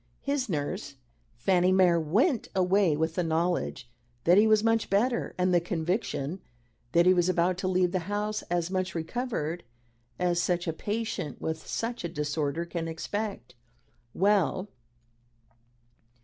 His nurse, Fanny Mere, went away with the knowledge that he was much better, and the conviction that he was about to leave the house as much recovered as such a patient with such a disorder can expect." "Well?"